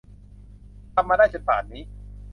ทำมาได้จนป่านนี้